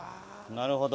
なるほど。